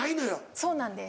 そうなんです。